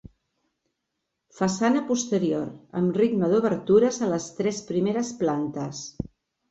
Façana posterior amb ritme d'obertures a les tres primeres plantes.